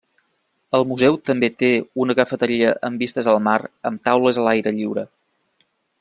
El museu també té una cafeteria amb vistes al mar amb taules a l'aire lliure.